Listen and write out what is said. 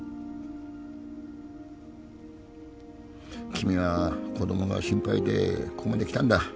君は子供が心配でここまで来たんだ。